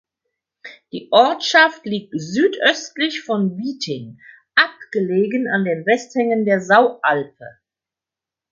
Die Ortschaft liegt südöstlich von Wieting abgelegen an den Westhängen der Saualpe.